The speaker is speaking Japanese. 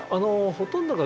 ほとんどが